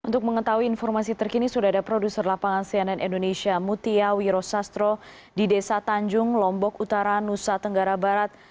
untuk mengetahui informasi terkini sudah ada produser lapangan cnn indonesia mutia wiro sastro di desa tanjung lombok utara nusa tenggara barat